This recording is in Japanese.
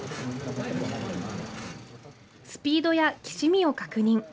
スピードやきしみを確認。